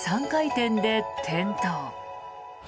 ３回転で転倒。